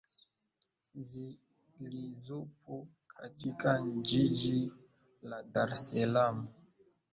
zilizopo katika Jiji la Dar es Salaam